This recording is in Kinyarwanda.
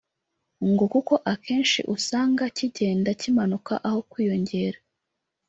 ngo kuko akenshi usanga kigenda kimanuka aho kwiyongera